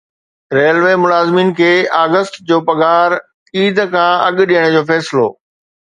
railway ملازمن کي August جي پگھار عيد کان اڳ ڏيڻ جو فيصلو